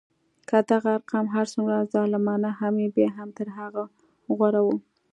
که دغه ارقام هر څومره ظالمانه هم وي بیا هم تر هغه غوره وو.